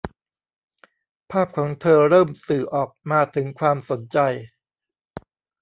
ภาพของเธอเริ่มสื่อออกมาถึงความสนใจ